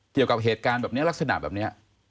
เกี่ยวกับเหตุการณ์แบบนี้ลักษณะแบบนี้